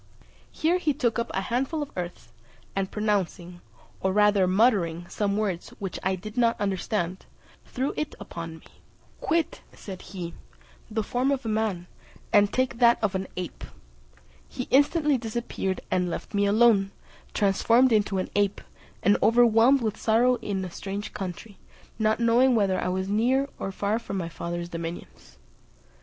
Here he took up a handful of earth, and pronouncing, or rather muttering, some words which I did not understand, threw it upon me. "Quit," said he, "the form of a man, and take that of an ape." He instantly disappeared, and left me alone, transformed into an ape, and overwhelmed with sorrow in a strange country, not knowing whether I was near or far from my father's dominions.